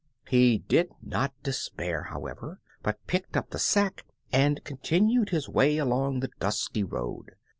He did not despair, however, but picked up the sack and continued his way along the dusty road.